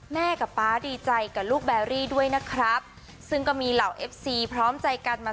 แม่กับป๊าดีใจกับลูกแบรี่ด้วยนะครับซึ่งก็มีเหล่าเอฟซีพร้อมใจกันมา